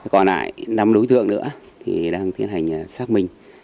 còn lại năm đối tượng nữa thì đang tiến hành xác minh